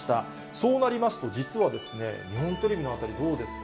そうなりますと、実はですね、日本テレビの辺り、どうですか？